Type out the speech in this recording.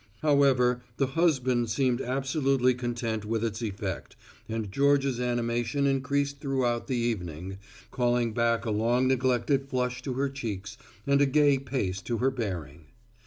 However, the husband seemed absolutely content with its effect and Georgia's animation increased throughout the evening, calling back a long neglected flush to her cheeks and a gay pace to her bearing.